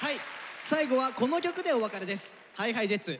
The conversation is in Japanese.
最後はこの曲でお別れです。ＨｉＨｉＪｅｔｓ